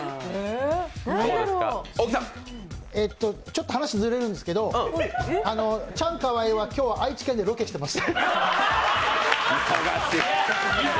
ちょっと話ずれるんですけど、チャンカワイは今日、愛知県でロケしています。